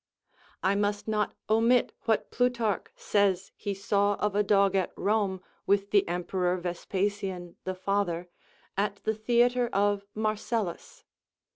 I must not omit what Plutarch says he saw of a dog at Rome with the Emperor Vespasian, the father, at the theatre of Marcellus.